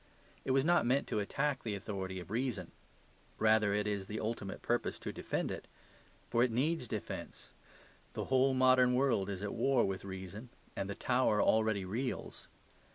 It was not meant to attack the authority of reason; rather it is the ultimate purpose to defend it. For it needs defence. The whole modern world is at war with reason; and the tower already reels.